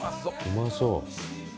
うまそう。